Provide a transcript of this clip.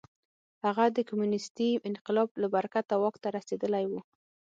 هغه د کمونېستي انقلاب له برکته واک ته رسېدلی و.